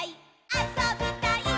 あそびたいっ！！」